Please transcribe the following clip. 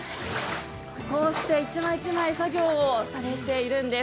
こうして１枚１枚作業をされているんです。